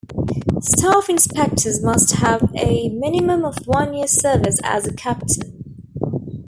Staff Inspectors must have a minimum of one year's service as a captain.